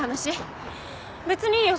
別にいいよ